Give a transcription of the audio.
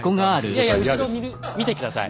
いやいや後ろ見て下さい。